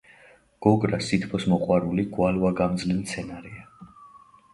გოგრა სითბოს მოყვარული გვალვაგამძლე მცენარეა.